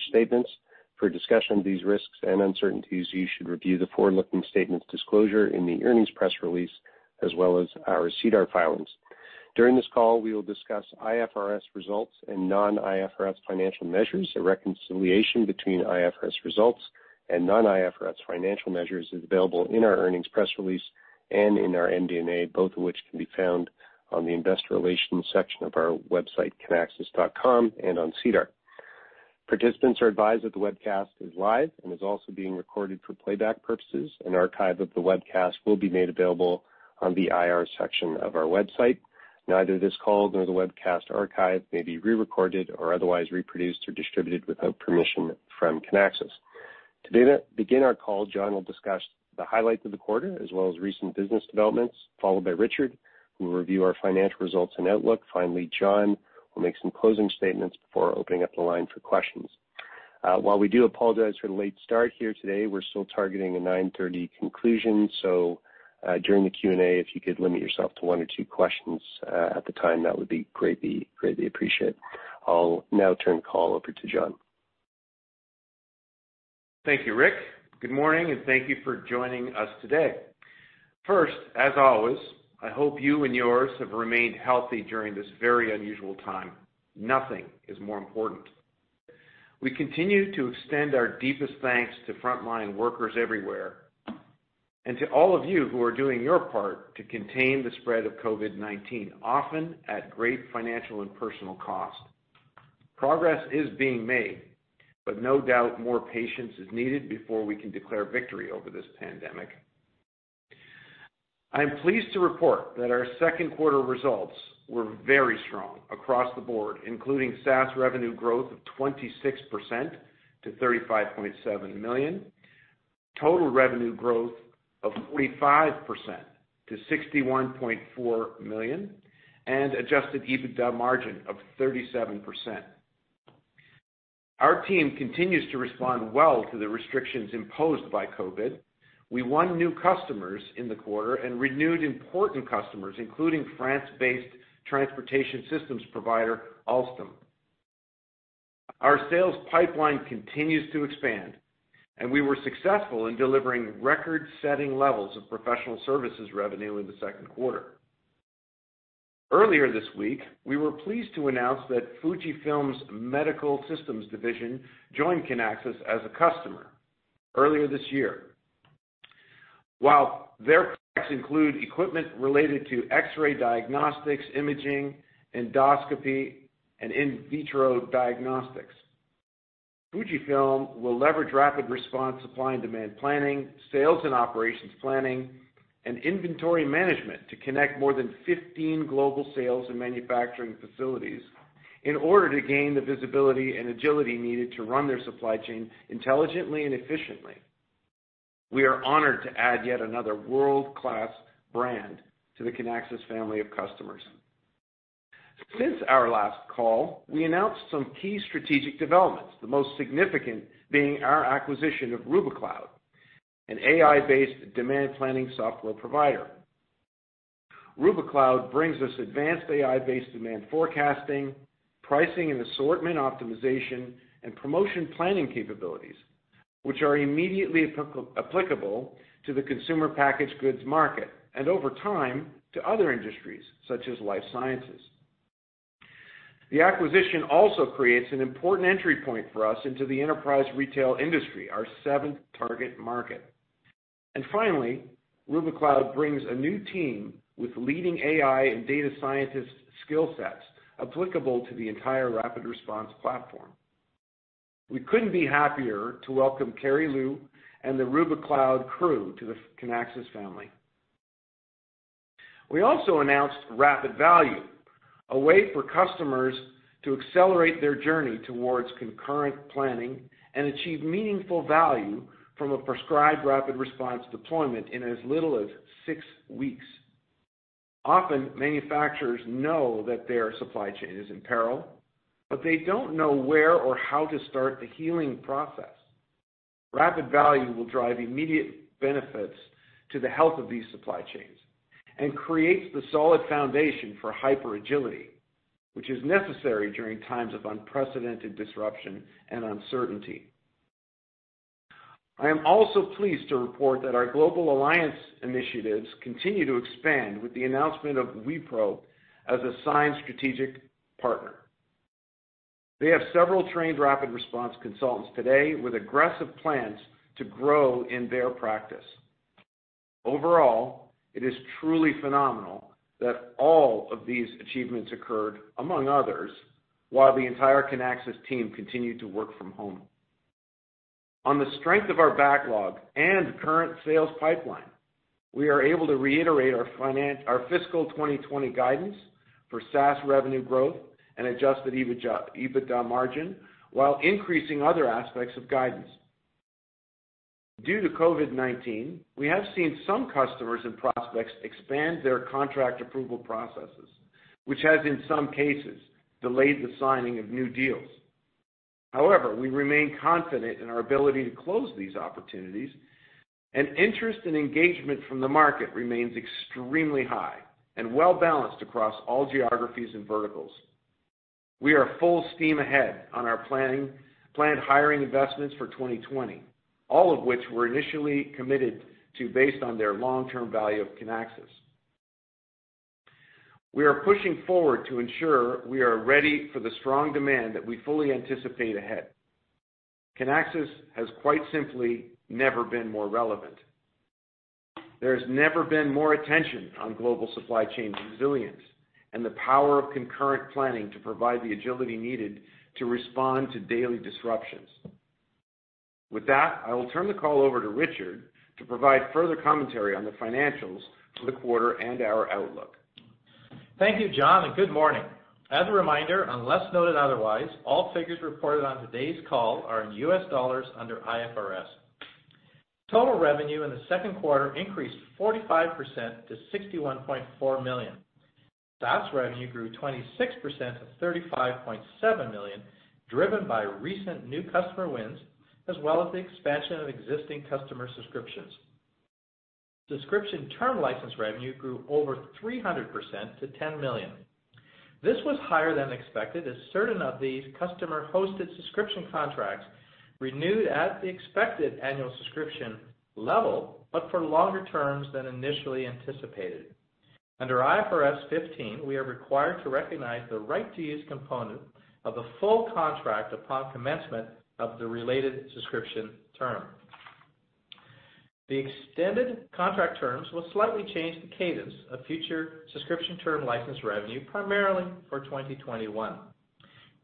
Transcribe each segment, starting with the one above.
Such statements. For a discussion of these risks and uncertainties, you should review the forward-looking statements disclosure in the earnings press release, as well as our SEDAR filings. During this call, we will discuss IFRS results and non-IFRS financial measures. A reconciliation between IFRS results and non-IFRS financial measures is available in our earnings press release and in our MD&A, both of which can be found on the investor relations section of our website, kinaxis.com, and on SEDAR. Participants are advised that the webcast is live and is also being recorded for playback purposes. An archive of the webcast will be made available on the IR section of our website. Neither this call nor the webcast archive may be re-recorded or otherwise reproduced or distributed without permission from Kinaxis. To begin our call, John will discuss the highlights of the quarter, as well as recent business developments, followed by Richard, who will review our financial results and outlook. Finally, John will make some closing statements before opening up the line for questions. While we do apologize for the late start here today, we're still targeting a 9:30 A.M. conclusion. During the Q&A, if you could limit yourself to one or two questions at the time, that would be greatly appreciated. I'll now turn the call over to John. Thank you, Rick. Good morning, and thank you for joining us today. First, as always, I hope you and yours have remained healthy during this very unusual time. Nothing is more important. We continue to extend our deepest thanks to frontline workers everywhere, and to all of you who are doing your part to contain the spread of COVID-19, often at great financial and personal cost. Progress is being made, but no doubt more patience is needed before we can declare victory over this pandemic. I am pleased to report that our second quarter results were very strong across the board, including SaaS revenue growth of 26% to $35.7 million, total revenue growth of 45% to $61.4 million, and adjusted EBITDA margin of 37%. Our team continues to respond well to the restrictions imposed by COVID. We won new customers in the quarter and renewed important customers, including France-based transportation systems provider, Alstom. Our sales pipeline continues to expand, and we were successful in delivering record-setting levels of professional services revenue in the second quarter. Earlier this week, we were pleased to announce that Fujifilm's medical systems division joined Kinaxis as a customer earlier this year. While their products include equipment related to X-ray diagnostics, imaging, endoscopy, and in vitro diagnostics, Fujifilm will leverage RapidResponse supply and demand planning, sales and operations planning, and inventory management to connect more than 15 global sales and manufacturing facilities in order to gain the visibility and agility needed to run their supply chain intelligently and efficiently. We are honored to add yet another world-class brand to the Kinaxis family of customers. Since our last call, we announced some key strategic developments, the most significant being our acquisition of Rubikloud, an AI-based demand planning software provider. Rubikloud brings us advanced AI-based demand forecasting, pricing and assortment optimization, and promotion planning capabilities, which are immediately applicable to the consumer packaged goods market, and over time, to other industries, such as life sciences. The acquisition also creates an important entry point for us into the enterprise retail industry, our seventh target market. Finally, Rubikloud brings a new team with leading AI and data scientist skill sets applicable to the entire RapidResponse platform. We couldn't be happier to welcome Kerry Liu and the Rubikloud crew to the Kinaxis family. We also announced RapidValue, a way for customers to accelerate their journey towards concurrent planning and achieve meaningful value from a prescribed RapidResponse deployment in as little as six weeks. Often, manufacturers know that their supply chain is in peril, but they don't know where or how to start the healing process. RapidValue will drive immediate benefits to the health of these supply chains and creates the solid foundation for hyper agility, which is necessary during times of unprecedented disruption and uncertainty. I am also pleased to report that our global alliance initiatives continue to expand with the announcement of Wipro as a signed strategic partner. They have several trained RapidResponse consultants today with aggressive plans to grow in their practice. Overall, it is truly phenomenal that all of these achievements occurred, among others, while the entire Kinaxis team continued to work from home. On the strength of our backlog and current sales pipeline, we are able to reiterate our fiscal 2020 guidance for SaaS revenue growth and adjusted EBITDA margin while increasing other aspects of guidance. Due to COVID-19, we have seen some customers and prospects expand their contract approval processes, which has, in some cases, delayed the signing of new deals. However, we remain confident in our ability to close these opportunities. Interest and engagement from the market remains extremely high and well-balanced across all geographies and verticals. We are full steam ahead on our planned hiring investments for 2020, all of which were initially committed to based on their long-term value of Kinaxis. We are pushing forward to ensure we are ready for the strong demand that we fully anticipate ahead. Kinaxis has quite simply never been more relevant. There has never been more attention on global supply chain resilience and the power of concurrent planning to provide the agility needed to respond to daily disruptions. With that, I will turn the call over to Richard to provide further commentary on the financials for the quarter and our outlook. Thank you, John, and good morning. As a reminder, unless noted otherwise, all figures reported on today's call are in US dollars under IFRS. Total revenue in the second quarter increased 45% to $61.4 million. SaaS revenue grew 26% to $35.7 million, driven by recent new customer wins, as well as the expansion of existing customer subscriptions. Subscription term license revenue grew over 300% to $10 million. This was higher than expected, as certain of these customer-hosted subscription contracts renewed at the expected annual subscription level, but for longer terms than initially anticipated. Under IFRS 15, we are required to recognize the right to use component of the full contract upon commencement of the related subscription term. The extended contract terms will slightly change the cadence of future Subscription term license revenue, primarily for 2021.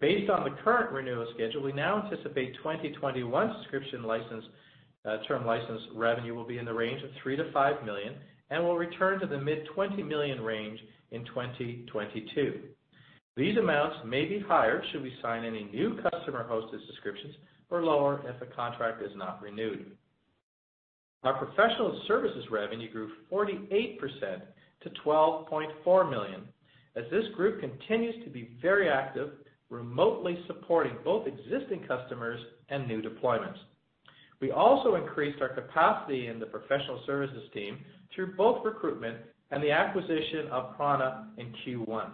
Based on the current renewal schedule, we now anticipate 2021 Subscription term license revenue will be in the range of $3 million-$5 million and will return to the mid-$20 million range in 2022. These amounts may be higher should we sign any new customer-hosted subscriptions or lower if a contract is not renewed. Our professional services revenue grew 48% to $12.4 million, as this group continues to be very active, remotely supporting both existing customers and new deployments. We also increased our capacity in the professional services team through both recruitment and the acquisition of Prana in Q1.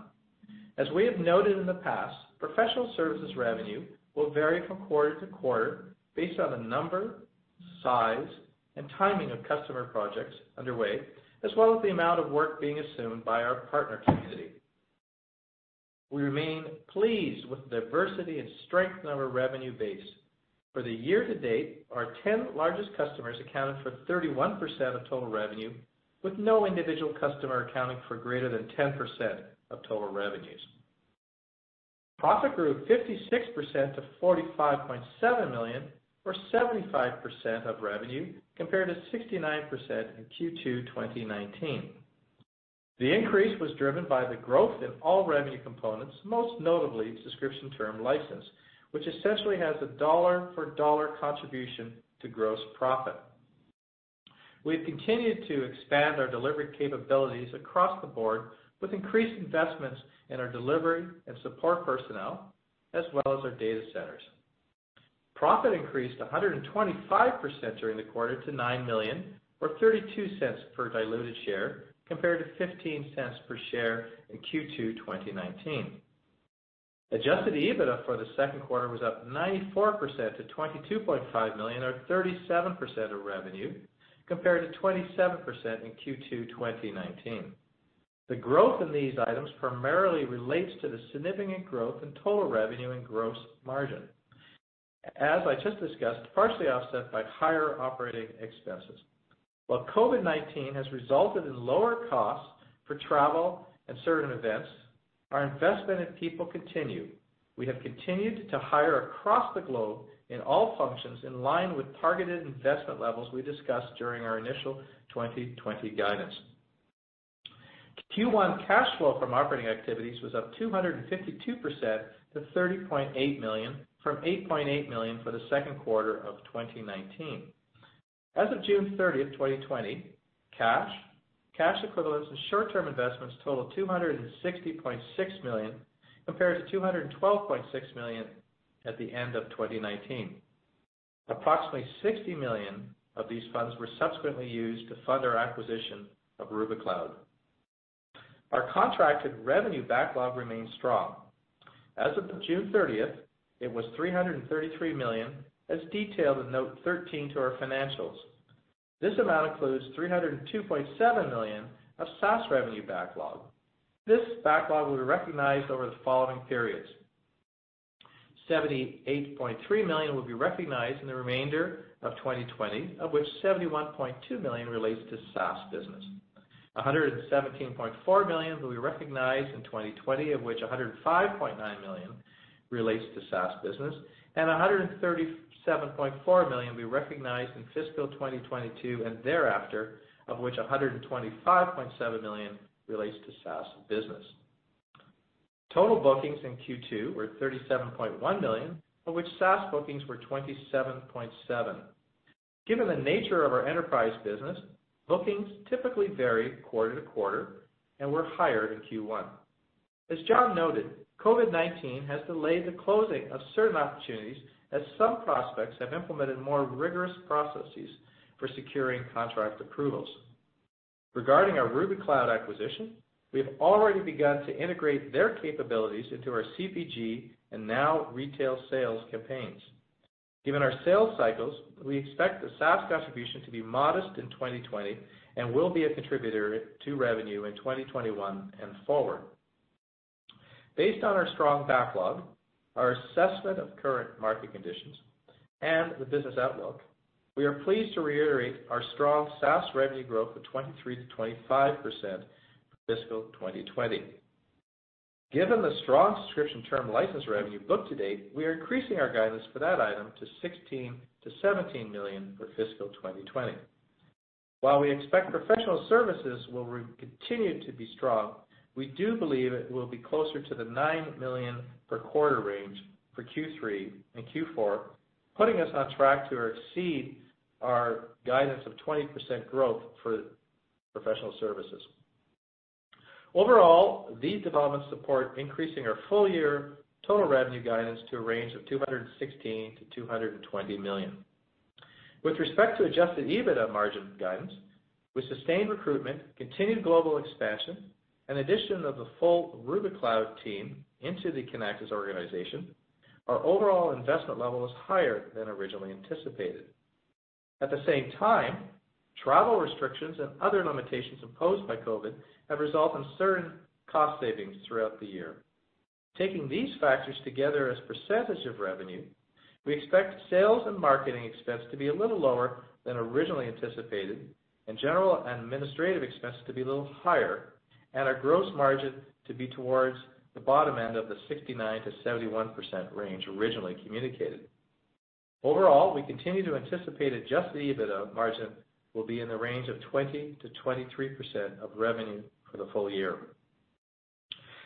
As we have noted in the past, professional services revenue will vary from quarter to quarter based on the number, size, and timing of customer projects underway, as well as the amount of work being assumed by our partner community. We remain pleased with the diversity and strength of our revenue base. For the year to date, our 10 largest customers accounted for 31% of total revenue, with no individual customer accounting for greater than 10% of total revenues. Profit grew 56% to $45.7 million or 75% of revenue, compared to 69% in Q2 2019. The increase was driven by the growth in all revenue components, most notably Subscription term licenses, which essentially has a dollar-for-dollar contribution to gross profit. We have continued to expand our delivery capabilities across the board with increased investments in our delivery and support personnel, as well as our data centers. Profit increased 125% during the quarter to $9 million or $0.32 per diluted share, compared to $0.15 per share in Q2 2019. Adjusted EBITDA for the second quarter was up 94% to $22.5 million, or 37% of revenue, compared to 27% in Q2 2019. The growth in these items primarily relates to the significant growth in total revenue and gross margin. As I just discussed, partially offset by higher operating expenses. While COVID-19 has resulted in lower costs for travel and certain events, our investment in people continue. We have continued to hire across the globe in all functions in line with targeted investment levels we discussed during our initial 2020 guidance. Q1 cash flow from operating activities was up 252% to $30.8 million from $8.8 million for the second quarter of 2019. As of June 30th, 2020, cash equivalents, and short-term investments total $260.6 million, compared to $212.6 million at the end of 2019. Approximately $60 million of these funds were subsequently used to fund our acquisition of Rubikloud. Our contracted revenue backlog remains strong. As of June 30th, it was $333 million, as detailed in Note 13 to our financials. This amount includes $302.7 million of SaaS revenue backlog. This backlog will be recognized over the following periods. $78.3 million will be recognized in the remainder of 2020, of which $71.2 million relates to SaaS business. $117.4 million will be recognized in 2020, of which $105.9 million relates to SaaS business, and $137.4 million will be recognized in fiscal 2022 and thereafter, of which $125.7 million relates to SaaS business. Total bookings in Q2 were $37.1 million, of which SaaS bookings were $27.7 million. Given the nature of our enterprise business, bookings typically vary quarter to quarter and were higher in Q1. As John noted, COVID-19 has delayed the closing of certain opportunities as some prospects have implemented more rigorous processes for securing contract approvals. Regarding our Rubikloud acquisition, we have already begun to integrate their capabilities into our CPG and now retail sales campaigns. Given our sales cycles, we expect the SaaS contribution to be modest in 2020 and will be a contributor to revenue in 2021 and forward. Based on our strong backlog, our assessment of current market conditions, and the business outlook, we are pleased to reiterate our strong SaaS revenue growth of 23%-25% for fiscal 2020. Given the strong Subscription term license revenue booked to date, we are increasing our guidance for that item to $16 million-$17 million for fiscal 2020. While we expect professional services will continue to be strong, we do believe it will be closer to the $9 million per quarter range for Q3 and Q4, putting us on track to exceed our guidance of 20% growth for professional services. Overall, these developments support increasing our full-year total revenue guidance to a range of $216 million-$220 million. With respect to adjusted EBITDA margin guidance, with sustained recruitment, continued global expansion, and addition of the full Rubikloud team into the Kinaxis organization, our overall investment level is higher than originally anticipated. At the same time, travel restrictions and other limitations imposed by COVID have resulted in certain cost savings throughout the year. Taking these factors together as percentage of revenue, we expect sales and marketing expense to be a little lower than originally anticipated and general and administrative expense to be a little higher, and our gross margin to be towards the bottom end of the 69%-71% range originally communicated. Overall, we continue to anticipate adjusted EBITDA margin will be in the range of 20%-23% of revenue for the full year.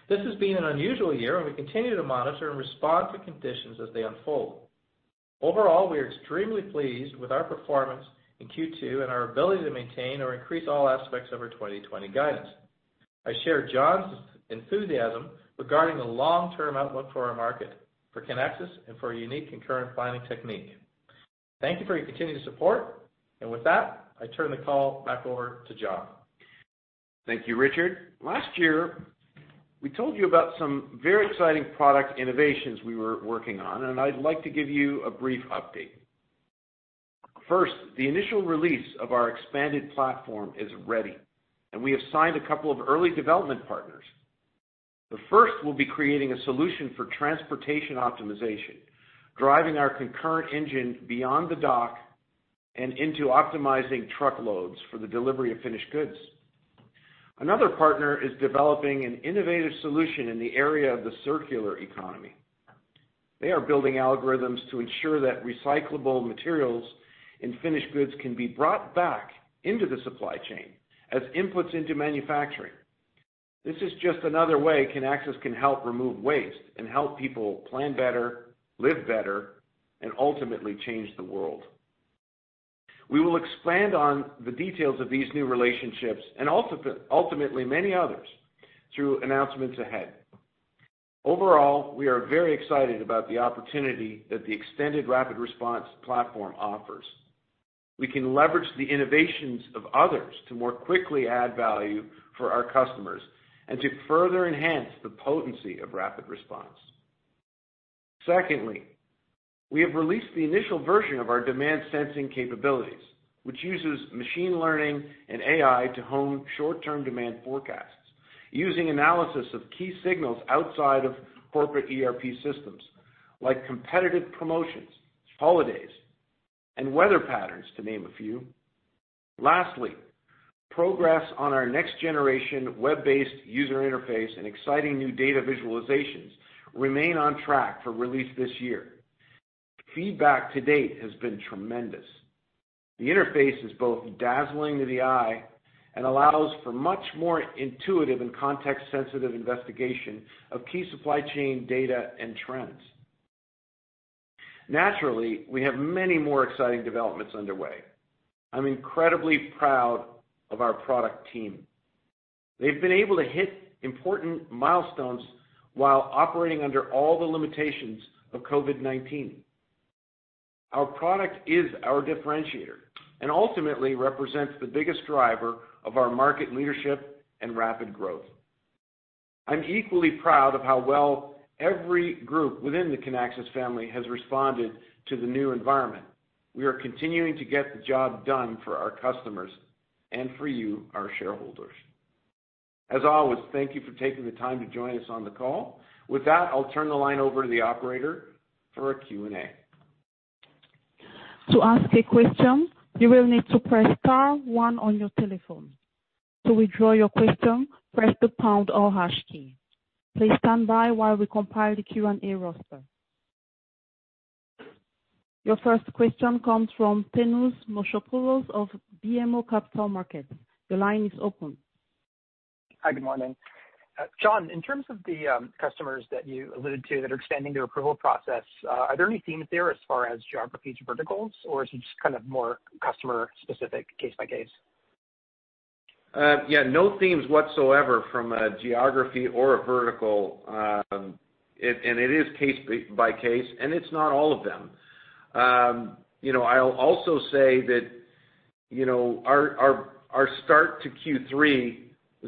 This has been an unusual year. We continue to monitor and respond to conditions as they unfold. Overall, we are extremely pleased with our performance in Q2 and our ability to maintain or increase all aspects of our 2020 guidance. I share John's enthusiasm regarding the long-term outlook for our market, for Kinaxis, and for our unique concurrent planning technique. Thank you for your continued support. With that, I turn the call back over to John. Thank you, Richard. Last year, we told you about some very exciting product innovations we were working on, and I'd like to give you a brief update. First, the initial release of our expanded platform is ready, and we have signed a couple of early development partners. The first will be creating a solution for transportation optimization, driving our concurrent engine beyond the dock and into optimizing truckloads for the delivery of finished goods. Another partner is developing an innovative solution in the area of the circular economy. They are building algorithms to ensure that recyclable materials and finished goods can be brought back into the supply chain as inputs into manufacturing. This is just another way Kinaxis can help remove waste and help people plan better, live better, and ultimately change the world. We will expand on the details of these new relationships and ultimately many others through announcements ahead. Overall, we are very excited about the opportunity that the extended RapidResponse platform offers. We can leverage the innovations of others to more quickly add value for our customers and to further enhance the potency of RapidResponse. Secondly, we have released the initial version of our demand sensing capabilities, which uses machine learning and AI to hone short-term demand forecasts using analysis of key signals outside of corporate ERP systems, like competitive promotions, holidays, and weather patterns, to name a few. Lastly, progress on our next-generation web-based user interface and exciting new data visualizations remain on track for release this year. Feedback to date has been tremendous. The interface is both dazzling to the eye and allows for much more intuitive and context-sensitive investigation of key supply chain data and trends. Naturally, we have many more exciting developments underway. I'm incredibly proud of our product team. They've been able to hit important milestones while operating under all the limitations of COVID-19. Our product is our differentiator and ultimately represents the biggest driver of our market leadership and rapid growth. I'm equally proud of how well every group within the Kinaxis family has responded to the new environment. We are continuing to get the job done for our customers and for you, our shareholders. As always, thank you for taking the time to join us on the call. With that, I'll turn the line over to the operator for our Q&A. To ask a question, you will need to press star one on your telephone. To withdraw your question, press the pound or hash key. Please stand by while we compile the Q&A roster. Your first question comes from Thanos Moschopoulos of BMO Capital Markets. Your line is open. Hi. Good morning. John, in terms of the customers that you alluded to that are extending their approval process, are there any themes there as far as geographies or verticals, or is it just kind of more customer-specific case by case? Yeah. No themes whatsoever from a geography or a vertical. It is case by case, and it's not all of them. I'll also say that our start to Q3 was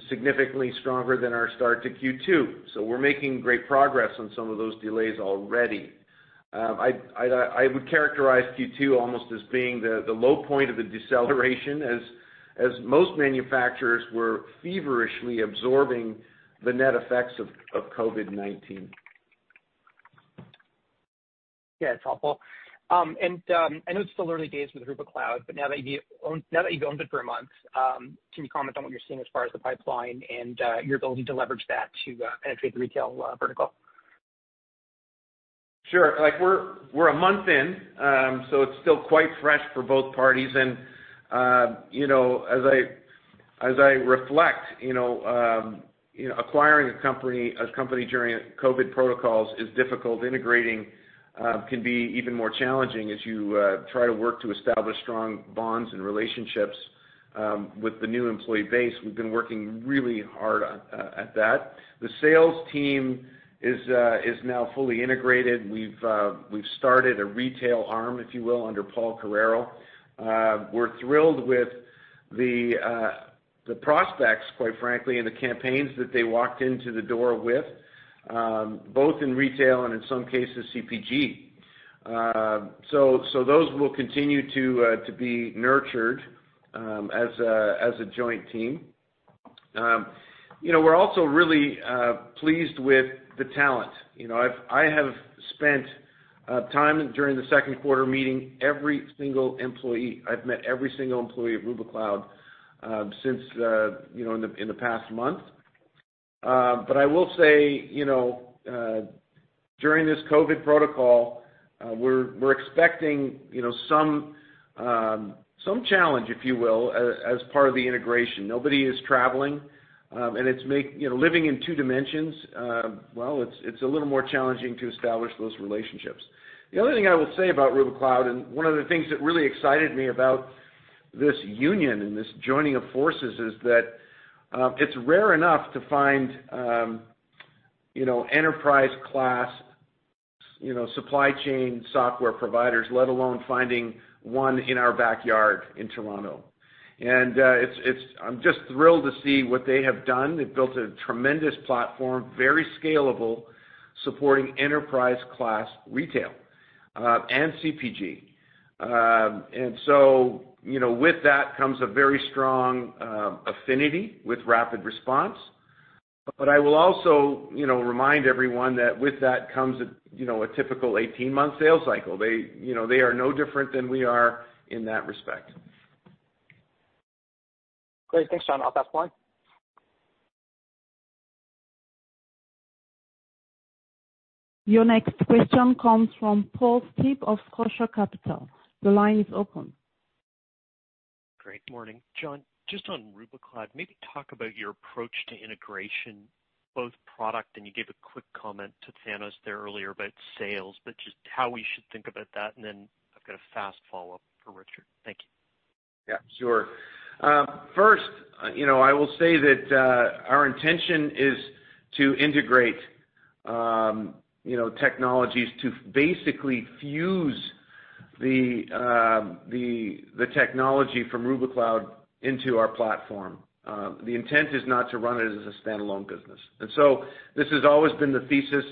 significantly stronger than our start to Q2, so we're making great progress on some of those delays already. I would characterize Q2 almost as being the low point of the deceleration as most manufacturers were feverishly absorbing the net effects of COVID-19. Yeah, it's helpful. I know it's still early days with Rubikloud, but now that you've owned it for a month, can you comment on what you're seeing as far as the pipeline and your ability to leverage that to penetrate the retail vertical? Sure. We're a month in, so it's still quite fresh for both parties. As I reflect, acquiring a company during COVID protocols is difficult. Integrating can be even more challenging as you try to work to establish strong bonds and relationships with the new employee base. We've been working really hard at that. The sales team is now fully integrated. We've started a retail arm, if you will, under Paul Carreiro. We're thrilled with the prospects, quite frankly, and the campaigns that they walked into the door with, both in retail and in some cases, CPG. Those will continue to be nurtured as a joint team. We're also really pleased with the talent. I have spent time during the second quarter meeting every single employee. I've met every single employee of Rubikloud in the past month. I will say, during this COVID protocol, we're expecting some challenge, if you will, as part of the integration. Nobody is traveling. Living in two dimensions, well, it's a little more challenging to establish those relationships. The other thing I will say about Rubikloud, and one of the things that really excited me about this union and this joining of forces, is that it's rare enough to find enterprise class supply chain software providers, let alone finding one in our backyard in Toronto. I'm just thrilled to see what they have done. They've built a tremendous platform, very scalable, supporting enterprise class retail and CPG. With that comes a very strong affinity with RapidResponse. I will also remind everyone that with that comes a typical 18-month sales cycle. They are no different than we are in that respect. Great. Thanks, John. I'll pass the line. Your next question comes from Paul Steep of Scotia Capital. The line is open. Great, morning. John, just on Rubikloud, maybe talk about your approach to integration, both product, and you gave a quick comment to Thanos there earlier about sales, but just how we should think about that, and then I've got a fast follow-up for Richard. Thank you. Yeah, sure. First, I will say that our intention is to integrate technologies to basically fuse the technology from Rubikloud into our platform. The intent is not to run it as a standalone business. This has always been the thesis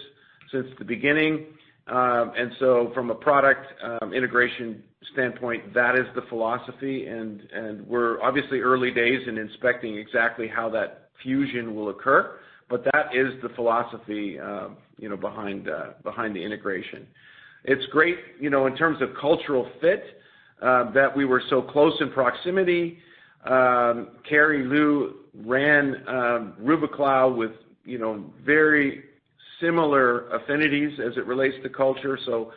since the beginning. From a product integration standpoint, that is the philosophy, and we're obviously early days in inspecting exactly how that fusion will occur. That is the philosophy behind the integration. It's great in terms of cultural fit that we were so close in proximity. Kerry Liu ran Rubikloud with very similar affinities as it relates to culture. So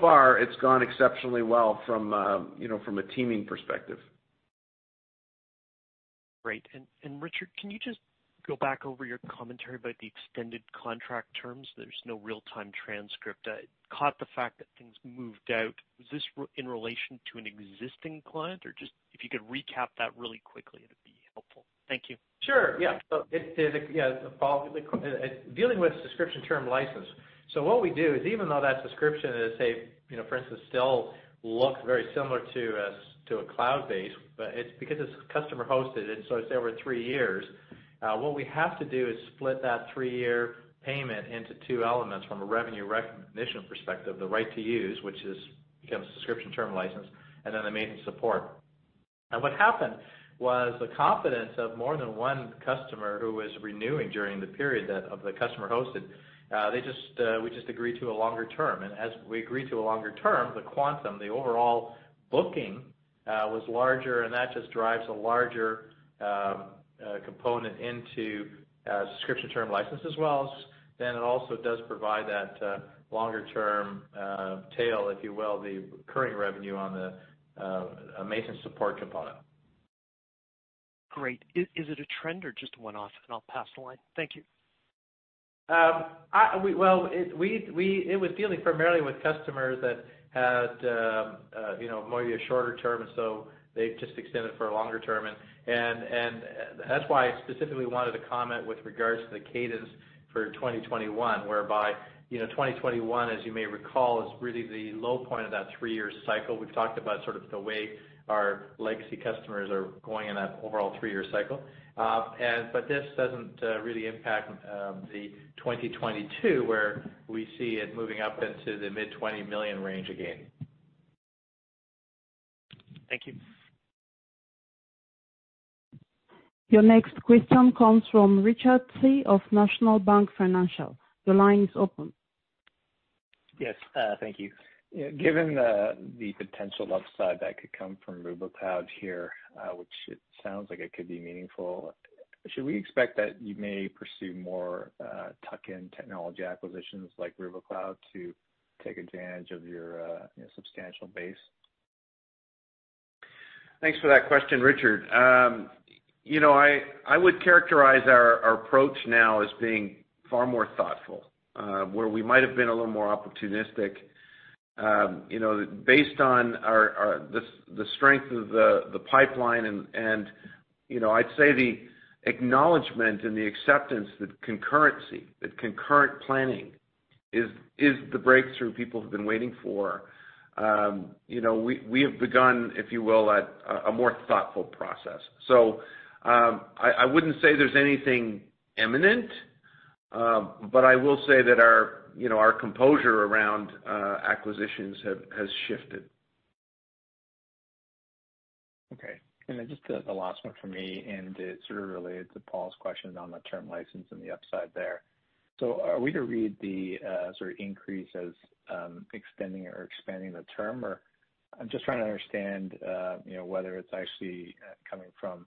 far it's gone exceptionally well from a teaming perspective. Great. Richard, can you just go back over your commentary about the extended contract terms? There's no real-time transcript. I caught the fact that things moved out. Was this in relation to an existing client? Just if you could recap that really quickly, it'd be helpful. Thank you. Sure. Yeah. Dealing with Subscription term licenses. What we do is, even though that subscription is, say, for instance, still looks very similar to a cloud base, but it's because it's customer hosted, and so it's over three years. What we have to do is split that three-year payment into two elements from a revenue recognition perspective, the right to use, which becomes a Subscription term licenses, and then the maintenance support. What happened was the confidence of more than one customer who was renewing during the period of the customer hosted, we just agreed to a longer term. As we agreed to a longer term, the quantum, the overall booking was larger, and that just drives a larger component into a Subscription term licenses as well as then it also does provide that longer-term tail, if you will, the recurring revenue on the maintenance support component. Great. Is it a trend or just one-off? I'll pass the line. Thank you. Well, it was dealing primarily with customers that had more of a shorter term, they just extended for a longer term. That's why I specifically wanted to comment with regards to the cadence for 2021, whereby 2021, as you may recall, is really the low point of that three-year cycle. We've talked about the way our legacy customers are going in that overall three-year cycle. This doesn't really impact the 2022, where we see it moving up into the mid $20 million range again. Thank you. Your next question comes from Richard Tse of National Bank Financial. Your line is open. Yes. Thank you. Given the potential upside that could come from Rubikloud here, which it sounds like it could be meaningful, should we expect that you may pursue more tuck-in technology acquisitions like Rubikloud to take advantage of your substantial base? Thanks for that question, Richard. I would characterize our approach now as being far more thoughtful, where we might have been a little more opportunistic. Based on the strength of the pipeline and, I'd say, the acknowledgment and the acceptance that concurrency, that concurrent planning is the breakthrough people have been waiting for, we have begun, if you will, a more thoughtful process. I wouldn't say there's anything imminent, but I will say that our composure around acquisitions has shifted. Okay. Then just the last one from me, and it's sort of related to Paul's question on the term license and the upside there. Are we to read the sort of increase as extending or expanding the term, or I'm just trying to understand whether it's actually coming from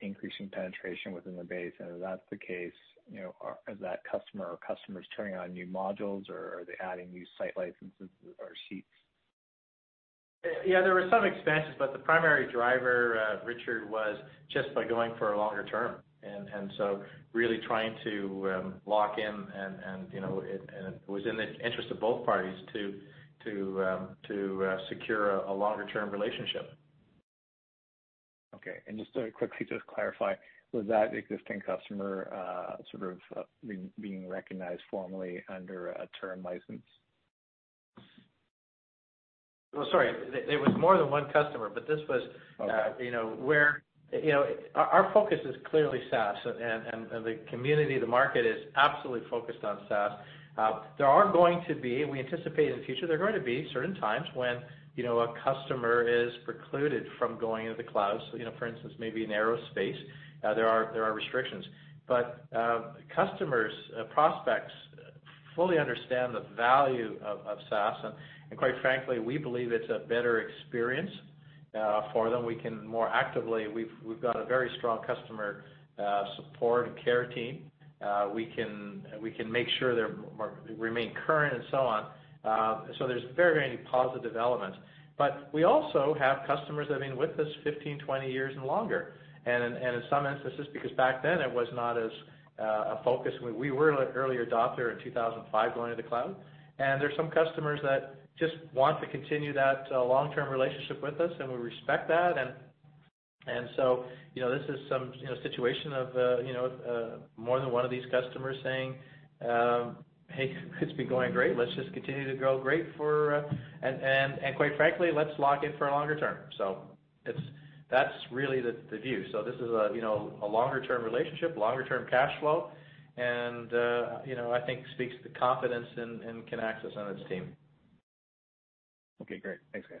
increasing penetration within the base, and if that's the case, is that customer or customers turning on new modules, or are they adding new site licenses or seats? Yeah, there were some expansions, but the primary driver, Richard, was just by going for a longer term. Really trying to lock in, and it was in the interest of both parties to secure a longer-term relationship. Okay. Just quickly to clarify, was that existing customer sort of being recognized formally under a Term license? Well, sorry, it was more than one customer. Okay Our focus is clearly SaaS, the community, the market is absolutely focused on SaaS. There are going to be, we anticipate in the future, there are going to be certain times when a customer is precluded from going into the cloud. For instance, maybe in aerospace, there are restrictions. Customers, prospects fully understand the value of SaaS, quite frankly, we believe it's a better experience for them. We've got a very strong customer support and care team. We can make sure they remain current and so on. There's very positive elements. We also have customers that have been with us 15, 20 years and longer, in some instances, because back then it was not as a focus. We were an early adopter in 2005 going to the cloud, and there's some customers that just want to continue that long-term relationship with us, and we respect that. This is some situation of more than one of these customers saying, "Hey, it's been going great. Let's just continue to go great. Quite frankly, let's lock in for a longer term." That's really the view. This is a longer-term relationship, longer-term cash flow, and I think speaks to the confidence in Kinaxis and its team. Okay, great. Thanks, guys.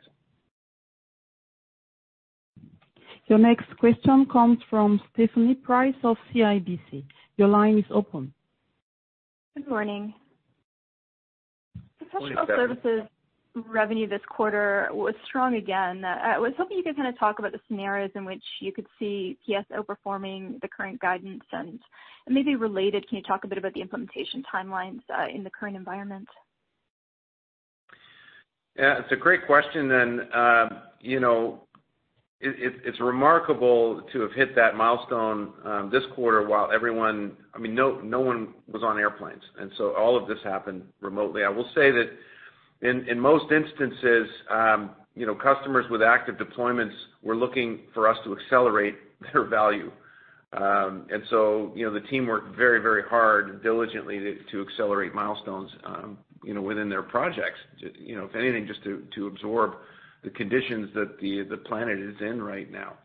Your next question comes from Stephanie Price of CIBC. Your line is open. Good morning. Good morning, Stephanie. Professional services revenue this quarter was strong again. I was hoping you could kind of talk about the scenarios in which you could see PS outperforming the current guidance, and maybe related, can you talk a bit about the implementation timelines in the current environment? Yeah, it's a great question. It's remarkable to have hit that milestone this quarter while no one was on airplanes. All of this happened remotely. I will say that in most instances, customers with active deployments were looking for us to accelerate their value. The team worked very hard diligently to accelerate milestones within their projects, if anything, just to absorb the conditions that the planet is in right now.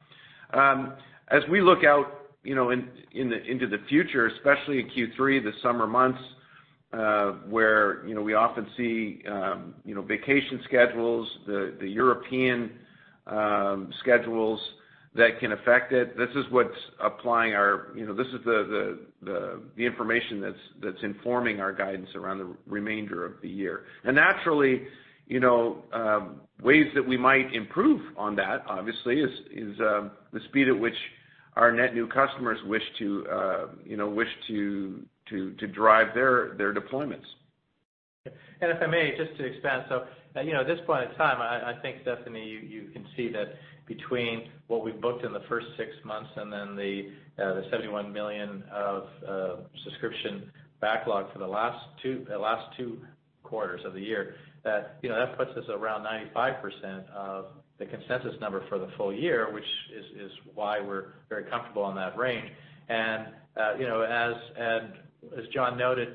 As we look out into the future, especially in Q3, the summer months, where we often see vacation schedules, the European schedules that can affect it, this is the information that's informing our guidance around the remainder of the year. Naturally, ways that we might improve on that, obviously, is the speed at which our net new customers wish to drive their deployments. If I may, just to expand. At this point in time, I think, Stephanie, you can see that between what we booked in the first six months and then the $71 million of subscription backlog for the last two quarters of the year, that puts us around 95% of the consensus number for the full year, which is why we're very comfortable in that range. As John noted,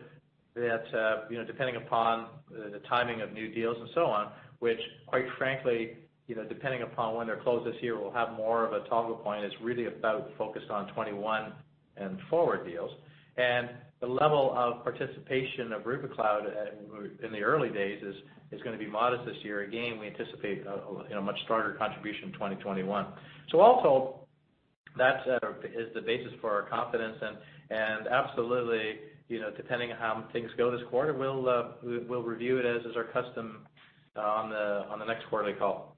that depending upon the timing of new deals and so on, which quite frankly, depending upon when they're closed this year, we'll have more of a toggle point, it's really about focused on 2021 and forward deals. The level of participation of Rubikloud in the early days is going to be modest this year. Again, we anticipate a much stronger contribution in 2021. All told, that is the basis for our confidence and, absolutely, depending on how things go this quarter, we'll review it as is our custom on the next quarterly call.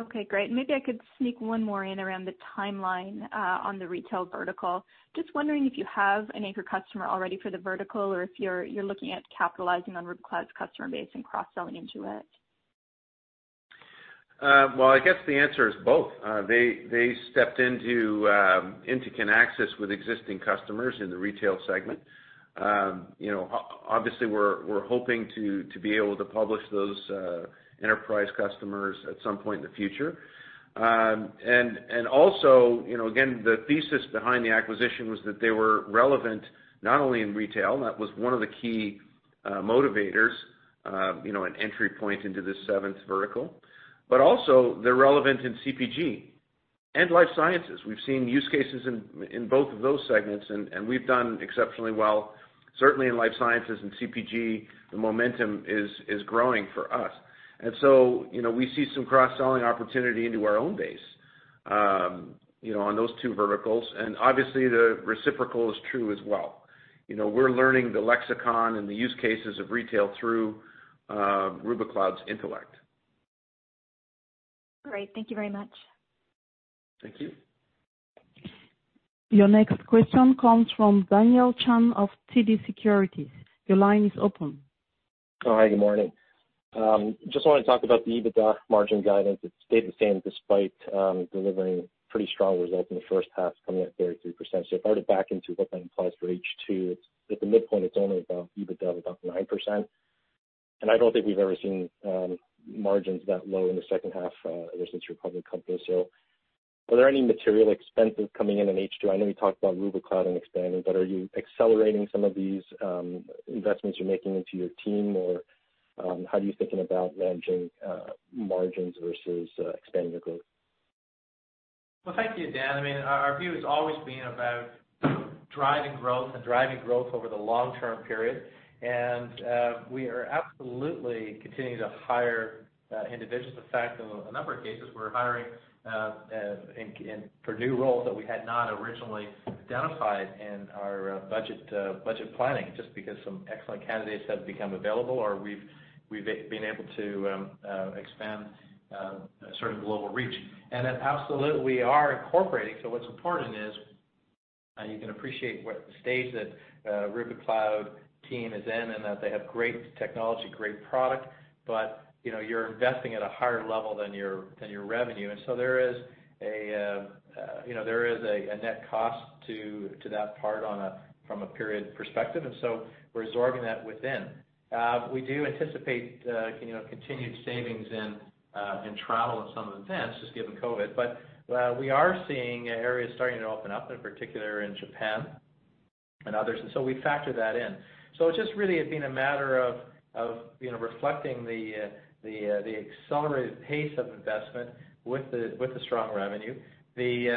Okay, great. Maybe I could sneak one more in around the timeline on the retail vertical. Just wondering if you have an anchor customer already for the vertical, or if you're looking at capitalizing on Rubikloud's customer base and cross-selling into it. Well, I guess the answer is both. They stepped into Kinaxis with existing customers in the retail segment. Obviously, we're hoping to be able to publish those enterprise customers at some point in the future. Also, again, the thesis behind the acquisition was that they were relevant not only in retail, and that was one of the key motivators, an entry point into this seventh vertical, but also they're relevant in CPG and life sciences. We've seen use cases in both of those segments, and we've done exceptionally well, certainly in life sciences and CPG, the momentum is growing for us. So, we see some cross-selling opportunity into our own base, on those two verticals. Obviously the reciprocal is true as well. We're learning the lexicon and the use cases of retail through Rubikloud's intellect. Great. Thank you very much. Thank you. Your next question comes from Daniel Chan of TD Securities. Your line is open. All right. Good morning. Just want to talk about the EBITDA margin guidance. It's stayed the same despite delivering pretty strong results in the first half, coming in at 33%. If I were to back into what that implies for H2, at the midpoint, it's only about, EBITDA of about 9%. I don't think we've ever seen margins that low in the second half, ever since you were a public company. Are there any material expenses coming in in H2? I know you talked about Rubikloud and expanding, but are you accelerating some of these investments you're making into your team, or how are you thinking about managing margins versus expanding the growth? Well, thank you, Dan. Our view has always been about driving growth and driving growth over the long-term period. We are absolutely continuing to hire individuals. In fact, in a number of cases, we're hiring for new roles that we had not originally identified in our budget planning, just because some excellent candidates have become available, or we've been able to expand certain global reach. Absolutely, we are incorporating. What's important is, you can appreciate what the stage that Rubikloud team is in, and that they have great technology, great product, but you're investing at a higher level than your revenue. There is a net cost to that part from a period perspective. We're absorbing that within. We do anticipate continued savings in travel and some events, just given COVID, we are seeing areas starting to open up, in particular in Japan and others, we factor that in. It's just really been a matter of reflecting the accelerated pace of investment with the strong revenue. The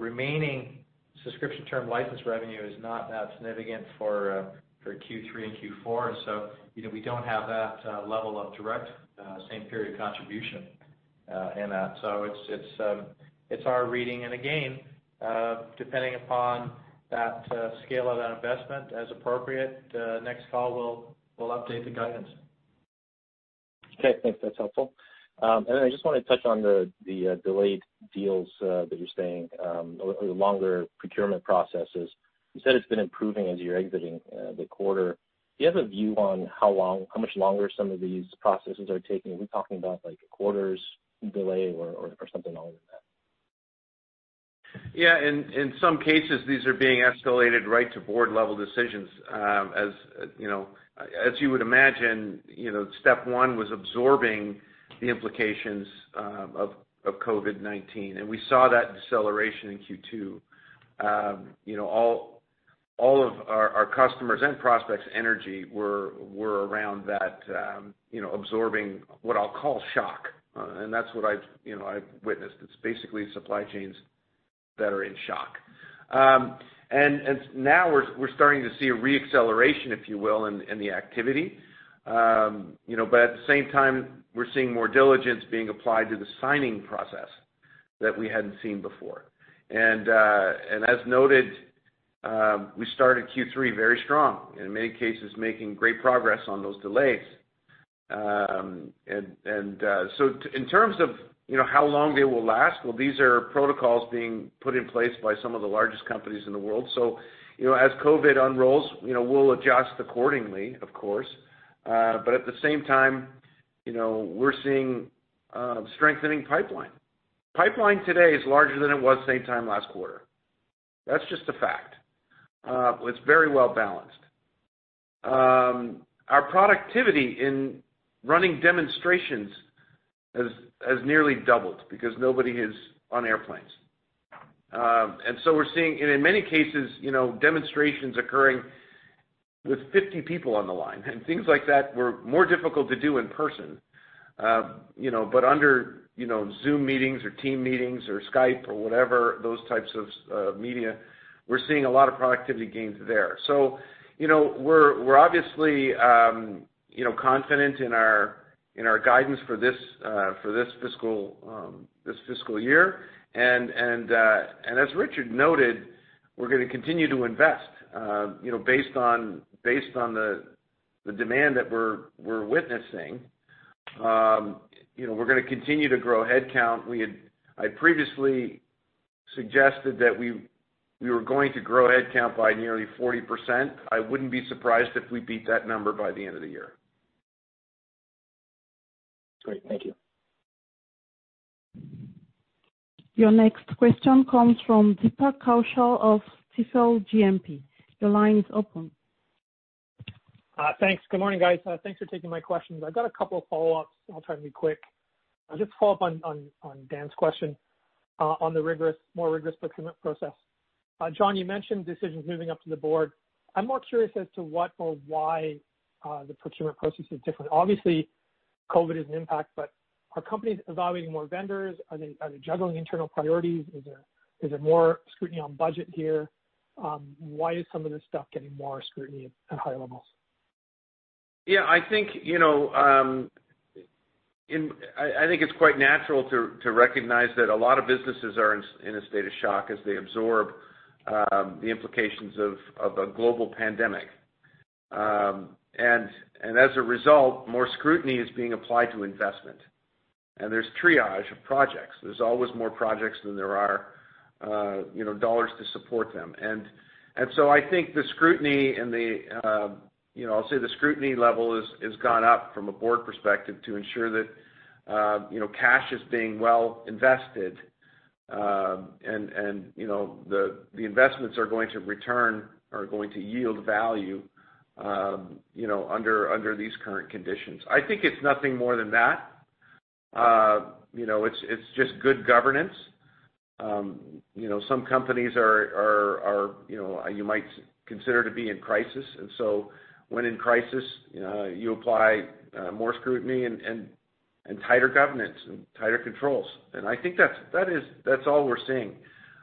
remaining Subscription term licenses revenue is not that significant for Q3 and Q4, we don't have that level of direct same period contribution in that. It's our reading, and again, depending upon that scale of that investment, as appropriate, next call, we'll update the guidance. Okay, thanks. That's helpful. I just want to touch on the delayed deals, that you're saying, or the longer procurement processes. You said it's been improving as you're exiting the quarter. Do you have a view on how much longer some of these processes are taking? Are we talking about like a quarter's delay or something longer than that? Yeah, in some cases, these are being escalated right to board-level decisions. As you would imagine, step one was absorbing the implications of COVID-19, and we saw that deceleration in Q2. All of our customers' and prospects' energy were around that absorbing what I'll call shock. That's what I've witnessed. It's basically supply chains that are in shock. Now we're starting to see a re-acceleration, if you will, in the activity. At the same time, we're seeing more diligence being applied to the signing process that we hadn't seen before. As noted, we started Q3 very strong, and in many cases, making great progress on those delays. In terms of how long they will last, well, these are protocols being put in place by some of the largest companies in the world. As COVID unrolls, we'll adjust accordingly, of course. At the same time, we're seeing a strengthening pipeline. Pipeline today is larger than it was same time last quarter. That's just a fact. It's very well-balanced. Our productivity in running demonstrations has nearly doubled because nobody is on airplanes. We're seeing, in many cases, demonstrations occurring with 50 people on the line, and things like that were more difficult to do in person. Under Zoom meetings or Team meetings or Skype or whatever those types of media, we're seeing a lot of productivity gains there. We're obviously confident in our guidance for this fiscal year. As Richard noted, we're going to continue to invest based on the demand that we're witnessing. We're going to continue to grow headcount. I previously suggested that we were going to grow headcount by nearly 40%. I wouldn't be surprised if we beat that number by the end of the year. Great. Thank you. Your next question comes from Deepak Kaushal of Stifel GMP. Your line is open. Thanks. Good morning, guys. Thanks for taking my questions. I've got a couple of follow-ups. I'll try to be quick. Just to follow up on Dan's question on the more rigorous procurement process. John, you mentioned decisions moving up to the board. I'm more curious as to what or why the procurement process is different. Obviously, COVID is an impact. Are companies evaluating more vendors? Are they juggling internal priorities? Is there more scrutiny on budget here? Why is some of this stuff getting more scrutiny at higher levels? Yeah, I think it's quite natural to recognize that a lot of businesses are in a state of shock as they absorb the implications of a global pandemic. As a result, more scrutiny is being applied to investment, and there's triage of projects. There's always more projects than there are dollars to support them. I think the scrutiny level has gone up from a board perspective to ensure that cash is being well invested, and the investments are going to return, are going to yield value under these current conditions. I think it's nothing more than that. It's just good governance. Some companies you might consider to be in crisis, and so when in crisis, you apply more scrutiny and tighter governance and tighter controls. I think that's all we're seeing.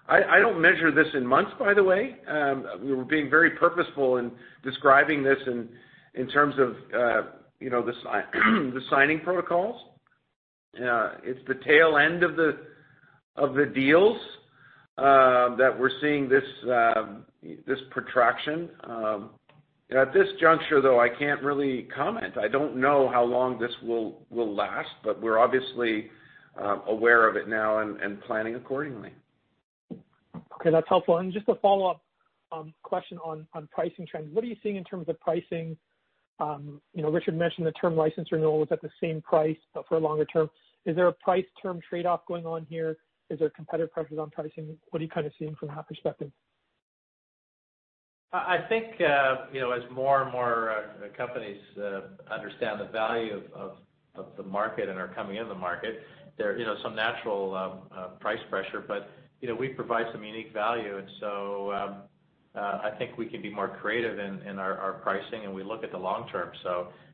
I don't measure this in months, by the way. We're being very purposeful in describing this in terms of the signing protocols. It's the tail end of the deals that we're seeing this protraction. At this juncture, though, I can't really comment. I don't know how long this will last, but we're obviously aware of it now and planning accordingly. Okay. That's helpful. Just a follow-up question on pricing trends. What are you seeing in terms of pricing? Richard mentioned the term license renewal was at the same price but for a longer term. Is there a price-term trade-off going on here? Is there competitive pressures on pricing? What are you kind of seeing from that perspective? I think as more and more companies understand the value of the market and are coming in the market, there are some natural price pressure, but we provide some unique value. I think we can be more creative in our pricing, and we look at the long term.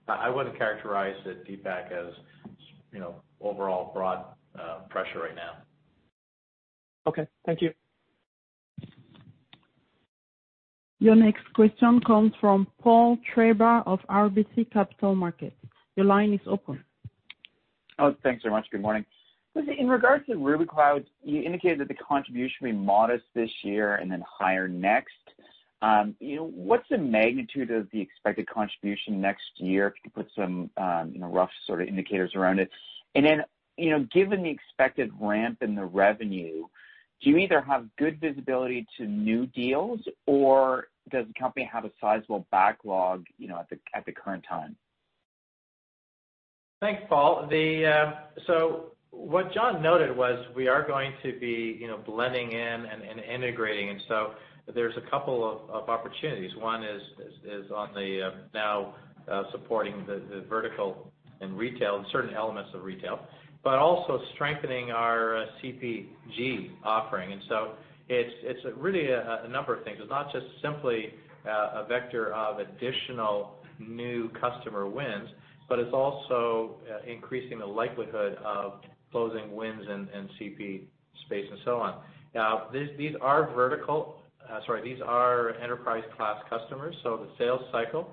I wouldn't characterize it, Deepak, as overall broad pressure right now. Okay. Thank you. Your next question comes from Paul Treiber of RBC Capital Markets. Your line is open. Thanks very much. Good morning. Listen, in regards to Rubikloud, you indicated that the contribution will be modest this year and higher next. What's the magnitude of the expected contribution next year? If you could put some rough sort of indicators around it. Given the expected ramp in the revenue, do you either have good visibility to new deals, or does the company have a sizable backlog at the current time? Thanks, Paul. What John noted was we are going to be blending in and integrating, and there's a couple of opportunities. One is on the now supporting the vertical in retail and certain elements of retail, but also strengthening our CPG offering. It's really a number of things. It's not just simply a vector of additional new customer wins, but it's also increasing the likelihood of closing wins in CP space and so on. These are enterprise class customers, so the sales cycle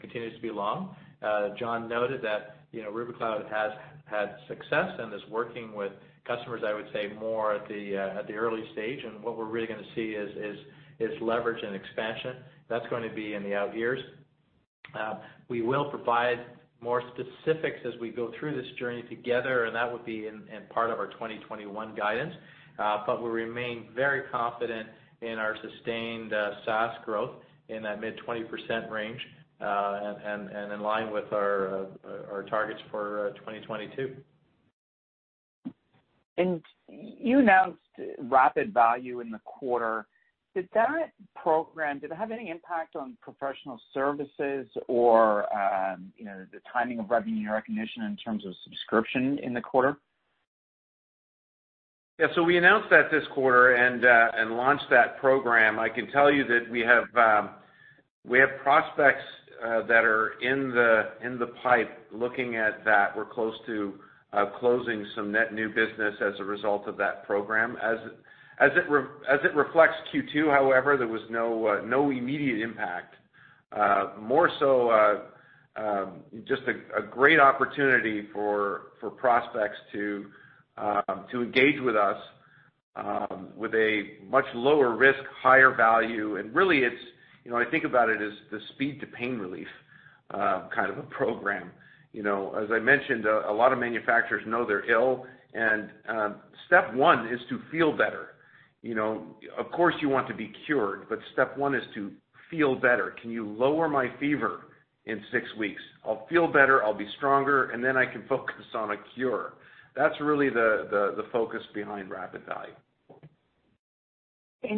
continues to be long. John noted that Rubikloud has had success and is working with customers, I would say more at the early stage. What we're really going to see is leverage and expansion. That's going to be in the out years. We will provide more specifics as we go through this journey together, and that would be in part of our 2021 guidance. We remain very confident in our sustained SaaS growth in that mid-20% range, and in line with our targets for 2022. You announced RapidValue in the quarter. Did that program, did it have any impact on professional services or the timing of revenue recognition in terms of subscription in the quarter? Yeah. We announced that this quarter and launched that program. I can tell you that we have prospects that are in the pipe looking at that. We're close to closing some net new business as a result of that program. As it reflects Q2, however, there was no immediate impact. More so, just a great opportunity for prospects to engage with us with a much lower risk, higher value, and really it's, I think about it as the speed to pain relief kind of a program. As I mentioned, a lot of manufacturers know they're ill, and step one is to feel better. Of course you want to be cured, but step one is to feel better. Can you lower my fever in six weeks? I'll feel better, I'll be stronger, and then I can focus on a cure. That's really the focus behind RapidResponse.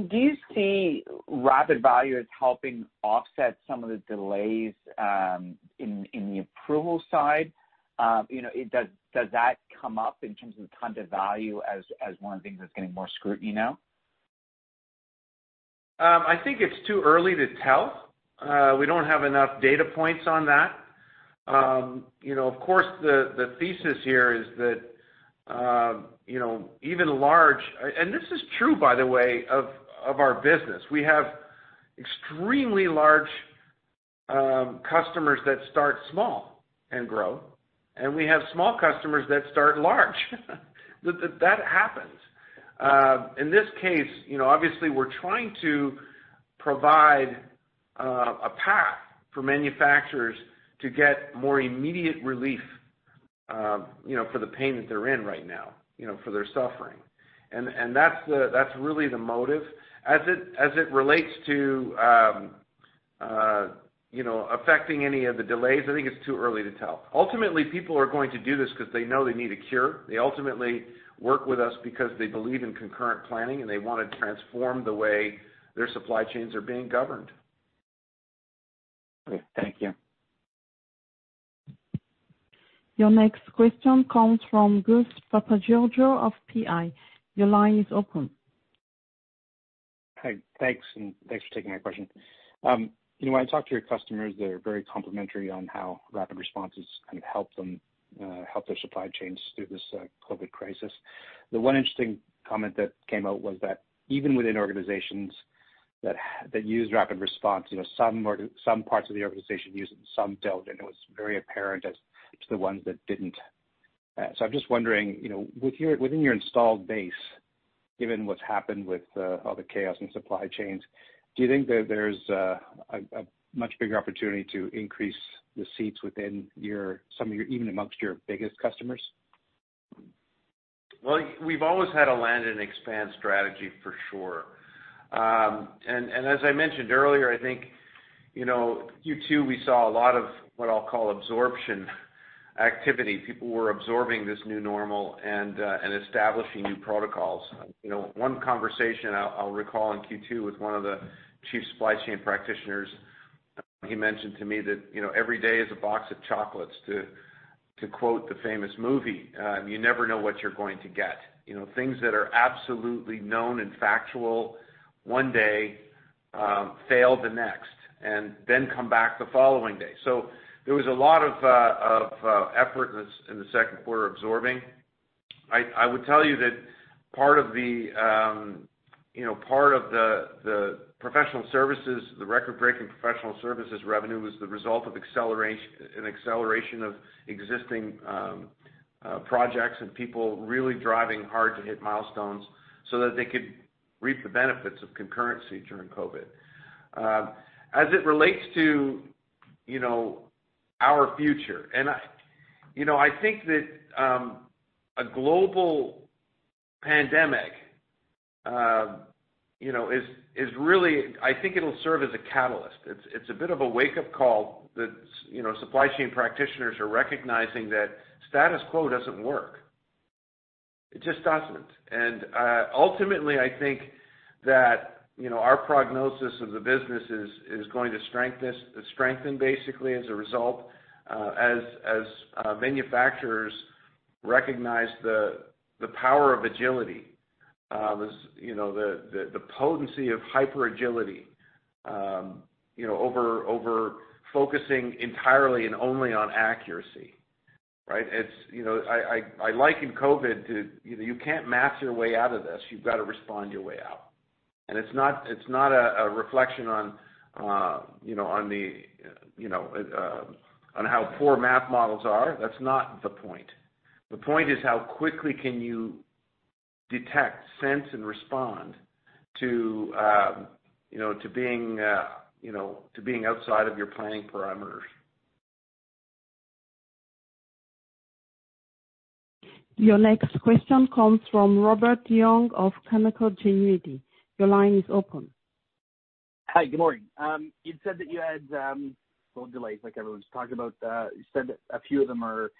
Do you see RapidValue as helping offset some of the delays in the approval side? Does that come up in terms of the ton of value as one of the things that's getting more scrutiny now? I think it's too early to tell. We don't have enough data points on that. The thesis here is that, and this is true, by the way, of our business. We have extremely large customers that start small and grow, and we have small customers that start large. That happens. In this case, obviously we're trying to provide a path for manufacturers to get more immediate relief for the pain that they're in right now, for their suffering. That's really the motive. As it relates to affecting any of the delays, I think it's too early to tell. Ultimately, people are going to do this because they know they need a cure. They ultimately work with us because they believe in concurrent planning, and they want to transform the way their supply chains are being governed. Great. Thank you. Your next question comes from Gus Papageorgiou of PI. Your line is open. Hi. Thanks, and thanks for taking my question. When I talk to your customers, they're very complimentary on how RapidResponse has kind of helped them, helped their supply chains through this COVID-19 crisis. The one interesting comment that came out was that even within organizations that use RapidResponse, some parts of the organization use it and some don't, and it was very apparent as to the ones that didn't. I'm just wondering, within your installed base, given what's happened with all the chaos in supply chains, do you think that there's a much bigger opportunity to increase the seats within even amongst your biggest customers? We've always had a land and expand strategy for sure. And as I mentioned earlier, I think Q2, we saw a lot of what I'll call absorption activity. People were absorbing this new normal and establishing new protocols. One conversation I'll recall in Q2 with one of the chief supply chain practitioners, he mentioned to me that every day is a box of chocolates, to quote the famous movie. You never know what you're going to get. Things that are absolutely known and factual one day fail the next, and then come back the following day. There was a lot of effort in the second quarter absorbing. I would tell you that part of the professional services, the record-breaking professional services revenue was the result of an acceleration of existing projects and people really driving hard to hit milestones so that they could reap the benefits of concurrency during COVID-19. As it relates to our future, I think that, a global pandemic, I think it'll serve as a catalyst. It's a bit of a wake-up call that supply chain practitioners are recognizing that status quo doesn't work. It just doesn't. Ultimately, I think that our prognosis of the business is going to strengthen, basically, as a result, as manufacturers recognize the power of agility, the potency of hyper agility, over focusing entirely and only on accuracy, right? I liken COVID-19 to you can't math your way out of this. You've got to respond your way out. It's not a reflection on how poor math models are. That's not the point. The point is how quickly can you detect, sense, and respond to being outside of your planning parameters. Your next question comes from Robert Young of Canaccord Genuity. Your line is open. Hi, good morning. You'd said that you had some delays, like everyone's talking about. You said a few of them are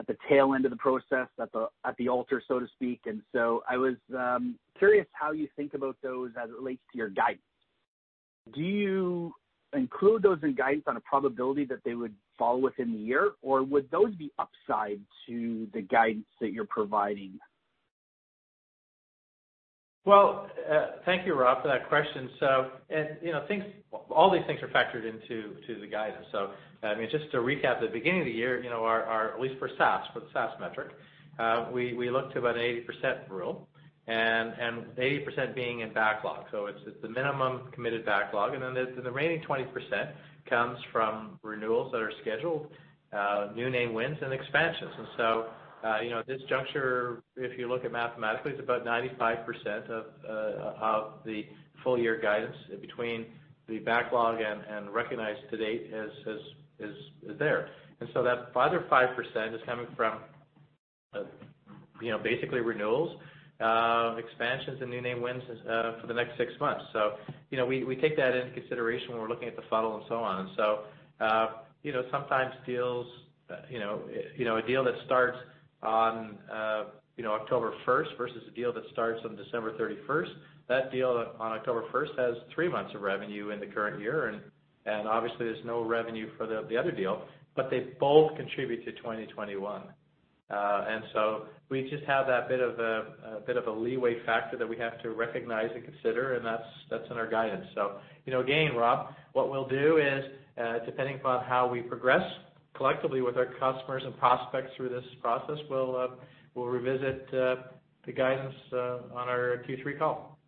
at the tail end of the process, at the altar, so to speak. I was curious how you think about those as it relates to your guidance. Do you include those in guidance on a probability that they would fall within the year, or would those be upside to the guidance that you're providing? Thank you, Rob, for that question. All these things are factored into the guidance. Just to recap, the beginning of the year, at least for SaaS, for the SaaS metric, we look to about an 80% rule, and 80% being in backlog. It's the minimum committed backlog. The remaining 20% comes from renewals that are scheduled, new name wins, and expansions. At this juncture, if you look at mathematically, it's about 95% of the full-year guidance between the backlog and recognized to date is there. That other 5% is coming from basically renewals, expansions, and new name wins for the next six months. We take that into consideration when we're looking at the funnel and so on. Sometimes a deal that starts on October 1st versus a deal that starts on December 31st, that deal on October 1st has three months of revenue in the current year, and obviously there's no revenue for the other deal, but they both contribute to 2021. We just have that bit of a leeway factor that we have to recognize and consider, and that's in our guidance. Again, Rob, what we'll do is, depending upon how we progress collectively with our customers and prospects through this process, we'll revisit the guidance on our Q3 call.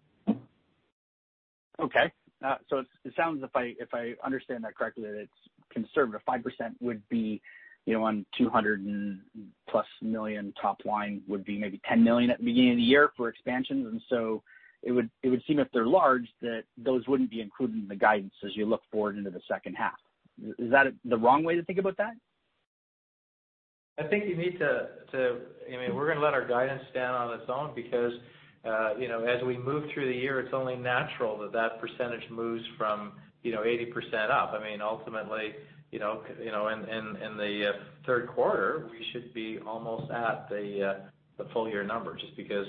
Okay. It sounds, if I understand that correctly, that it's conservative. 5% would be on $200 million+ top line, would be maybe $10 million at the beginning of the year for expansions. It would seem if they're large, that those wouldn't be included in the guidance as you look forward into the second half. Is that the wrong way to think about that? We're going to let our guidance stand on its own because, as we move through the year, it's only natural that that percentage moves from 80% up. Ultimately, in the third quarter, we should be almost at the full-year numbers just because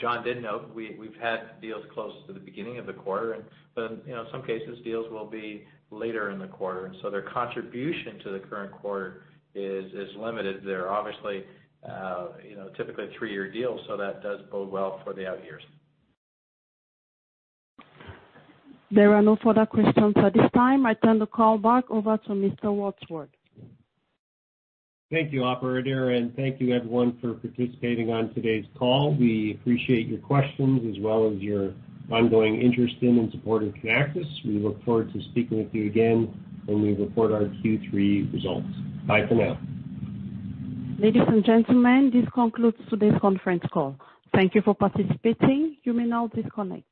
John did note, we've had deals close to the beginning of the quarter, but in some cases, deals will be later in the quarter, and so their contribution to the current quarter is limited. They're obviously, typically a three-year deal, so that does bode well for the outyears. There are no further questions at this time. I turn the call back over to Mr. Wadsworth. Thank you, operator, and thank you everyone for participating on today's call. We appreciate your questions as well as your ongoing interest in and support of Kinaxis. We look forward to speaking with you again when we report our Q3 results. Bye for now. Ladies and gentlemen, this concludes today's conference call. Thank you for participating. You may now disconnect.